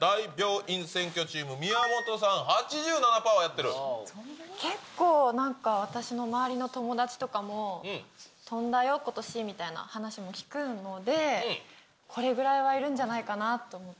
大病院占拠チーム、宮本さん、結構、なんか、私の周りの友達とかも、跳んだよ、ことしみたいな話も聞くので、これぐらいはいるんじゃないかなと思って。